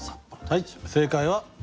はい正解は。